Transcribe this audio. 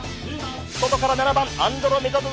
外から７番アンドロメダザザゾ。